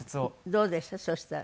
どうでした？